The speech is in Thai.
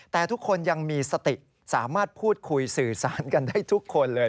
แต่ทุกคนยังมีสติสามารถพูดคุยสื่อสารกันได้ทุกคนเลย